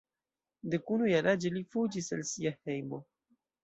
Dekunu jaraĝe li fuĝis el sia hejmo.